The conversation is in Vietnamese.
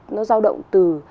nó lao động từ